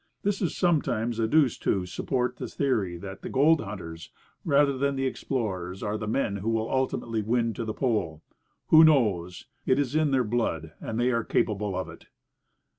This is sometimes adduced to support the theory that the gold hunters, rather than the explorers, are the men who will ultimately win to the Pole. Who knows? It is in their blood, and they are capable of it.